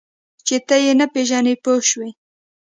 چې ته یې نه پېژنې پوه شوې!.